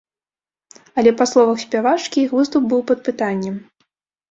Але, па словах спявачкі, іх выступ быў пад пытаннем.